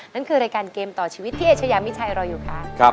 นั่นคือรายการเกมต่อชีวิตพี่เอชยามิชัยรออยู่ค่ะ